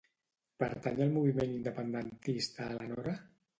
Pertany al moviment independentista la Nora?